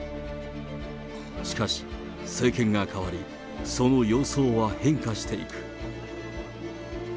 しかし、政権が代わり、その様相は変化していく。